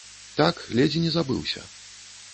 Так, ледзь не забыўся.